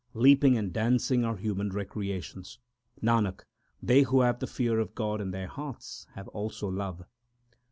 Leaping and dancing are human recreations ; Nanak, they who have the fear of God in their hearts have also love.